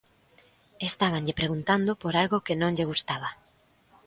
Estábanlle preguntando por algo que non lle gustaba.